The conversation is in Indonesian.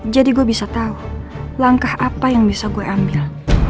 jadi gue bisa tau langkah apa yang bisa gue ambil